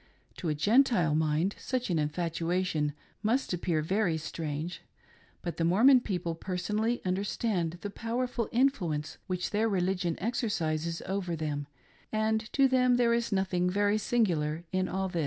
To a Gen tile mind such an infatuation must appear very strange, but the Mormon people personally understand the powerful influence which their religion exercises over them, and to them there is nothing very singular in all this.